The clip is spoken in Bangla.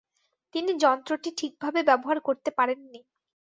তিনি যন্ত্রটি ঠিক ভাবে ব্যবহার করতে পারেননি।